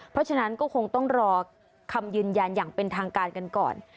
เพราะฉะนั้นก็คงต้องรอคำยืนยันอย่างเป็นทางการกันก่อน